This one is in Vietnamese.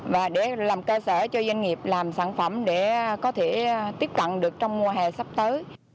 và để làm cơ sở cho doanh nghiệp làm sản phẩm để có thể tiếp cận được trong mùa hè sắp tới